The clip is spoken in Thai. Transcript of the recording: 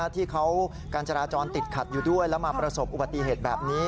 ที่เขาการจราจรติดขัดอยู่ด้วยแล้วมาประสบอุบัติเหตุแบบนี้